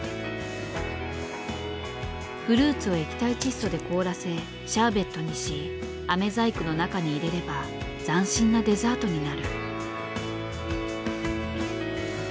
フルーツを液体窒素で凍らせシャーベットにしあめ細工の中に入れれば斬新なデザートになる。